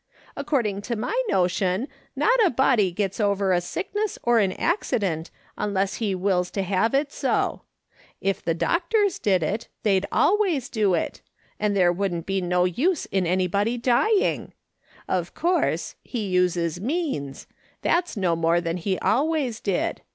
According to my notion, not a body gets over a sickness or an accident unless he wills to have it so. If the doctors did it, they'd always do it, and "/ SUPPOSE HE KNOWS WHAT HE MEANT:' 137 there wouldn't be no use in anybody dying. Of coUrse, he uses means ; that's no more than he always did.